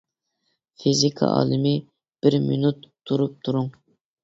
فىزىكا ئالىمى: بىر مىنۇت تۇرۇپ تۇرۇڭ.